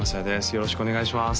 よろしくお願いします